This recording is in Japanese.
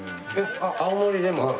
青森でも。